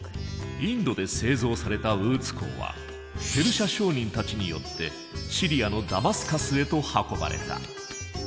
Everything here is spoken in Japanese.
インドで製造されたウーツ鋼はペルシャ商人たちによってシリアのダマスカスへと運ばれた。